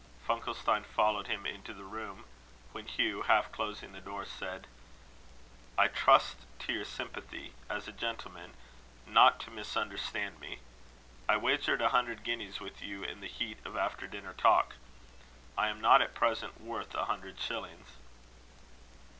Funkelstein followed him into the room; when Hugh half closing the door, said: "I trust to your sympathy, as gentleman, not to misunderstand me. I wagered a hundred guineas with you in the heat of after dinner talk. I am not at present worth a hundred shillings."